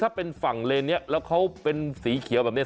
ถ้าเป็นฝั่งเลนนี้แล้วเขาเป็นสีเขียวแบบนี้